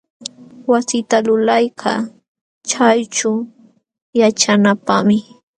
Wasita lulaykaa chayćhuu yaćhanaapaqmi.